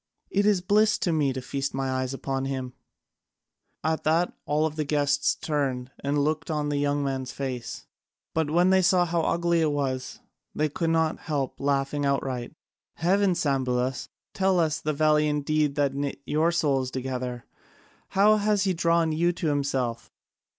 It is bliss to me to feast my eyes upon him." At that all the guests turned and looked on the young man's face, but when they saw how ugly it was, they could not help laughing outright. "Heavens, Sambulas, tell us the valiant deed that knit your souls together! How has he drawn you to himself?"